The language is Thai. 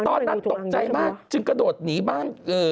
ตอนนั้นตกใจมากจึงกระโดดหนีบ้าน